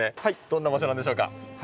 どんな場所なんでしょうか？